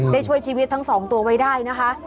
ช่วยชีวิตทั้งสองตัวไว้ได้นะคะ